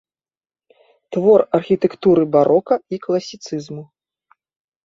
Твор архітэктуры барока і класіцызму.